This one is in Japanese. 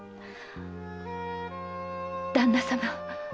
旦那様。